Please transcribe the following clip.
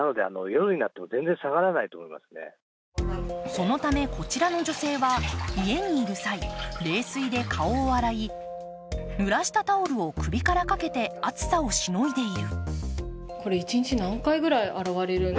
そのためこちらの女性は家にいる際、冷水で顔を洗い、ぬらしたタオルを首からかけて暑さをしのいでいる。